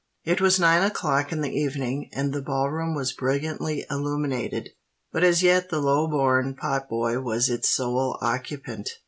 It was nine o'clock in the evening; and the Ball Room was brilliantly illuminated. But as yet the low born pot boy was its sole occupant.